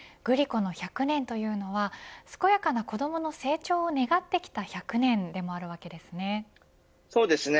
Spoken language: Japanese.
グリコの１００年というのは健やかな子どもの成長を願ってきた１００年でもあるわけですね。